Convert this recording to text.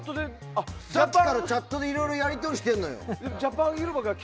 さっきからチャットでいろいろやり取りしてるのよ。